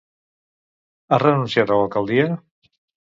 Ha renunciat a l'alcaldia?